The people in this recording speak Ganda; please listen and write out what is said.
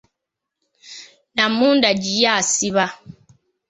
Namundagi ye asiba.